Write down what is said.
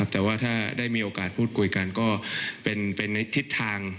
แต่ว่าถ้าได้มีโอกาสพูดคุยกันก็เป็นในทิศทาง